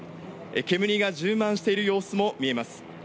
煙が充満している様子も見えます。